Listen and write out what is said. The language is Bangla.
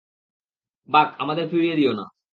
বাক, আমাদের ফিরিয়ে দিও না।